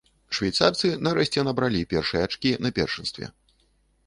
Швейцарцы нарэшце набралі першыя ачкі на першынстве.